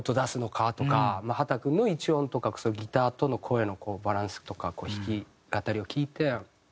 秦君の１音とかギターとの声のバランスとか弾き語りを聴いて。